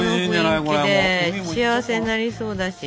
幸せになりそうだし。